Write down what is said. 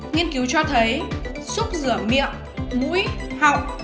nghiên cứu cho thấy xúc rửa miệng mũi họng